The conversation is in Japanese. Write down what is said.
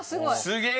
すげえ！